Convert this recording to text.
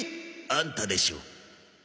あんたでしょ